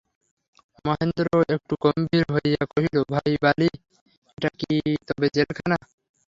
মহেন্দ্রও একটু গম্ভীর হইয়া কহিল, ভাই বালি, এটা কি তবে জেলখানা।